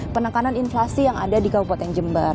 penekanan inflasi yang ada di kabupaten jember